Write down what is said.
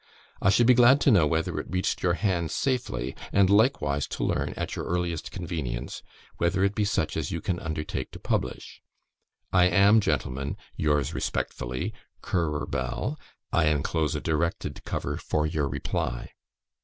I should be glad to know whether it reached your hands safely, and likewise to learn, at your earliest convenience, whether it be such as you can undertake to publish. I am, gentlemen, yours respectfully, "CURRER BELL. "I enclose a directed cover for your reply."